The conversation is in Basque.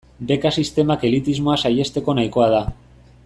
Beka sistemak elitismoa saihesteko nahikoa da.